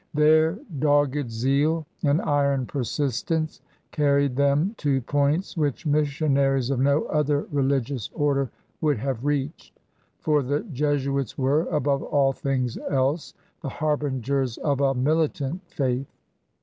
Their dogg«d zeal and iron pewistence carried them to points which missionaries of no other religious order would have reached. For the Jesuits were, above all things else, the harbingers of a militant faith.